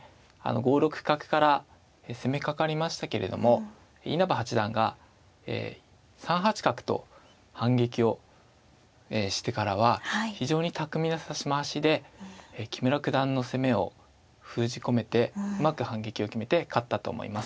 ５六角から攻めかかりましたけれども稲葉八段が３八角と反撃をしてからは非常に巧みな指し回しで木村九段の攻めを封じ込めてうまく反撃を決めて勝ったと思います。